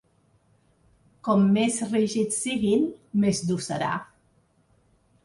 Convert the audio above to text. Com més rígids siguin, més dur serà.